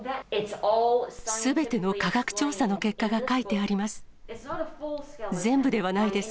すべての科学調査の結果が書いてあります。